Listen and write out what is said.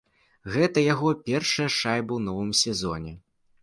Гэта яго першая шайба ў новым сезоне.